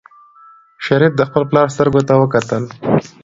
شریف د خپل پلار سترګو ته وکتل.